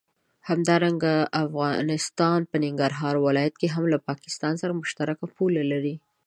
همدارنګه افغانستان په ننګرهار ولايت کې هم له پاکستان سره مشترکه پوله لري.